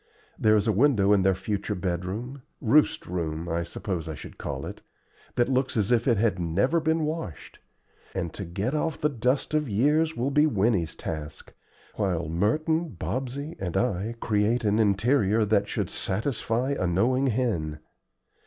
There is a window in their future bedroom roost room I suppose I should call it that looks as if it had never been washed, and to get off the dust of years will be Winnie's task, while Merton, Bobsey, and I create an interior that should satisfy a knowing hen.